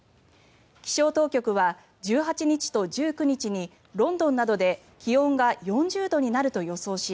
気象当局は１８日と１９日にロンドンなどで気温が４０度になると予想し